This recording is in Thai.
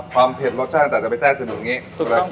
ความเผ็ดรสชาติอาจจะไปแซ่ดซึมอยู่อย่างงี้ถูกต้องครับ